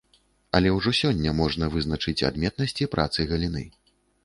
Але ўжо сёння можна вызначыць адметнасці працы галіны.